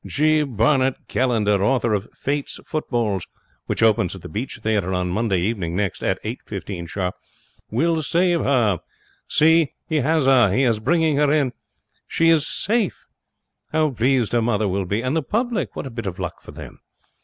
G. Barnert Callender, author of Fate's Footballs, which opens at the Beach Theatre on Monday evening next, at eight fifteen sharp, will save her. See! He has her. He is bringing her in. She is safe. How pleased her mother will be! And the public, what a bit of luck for them!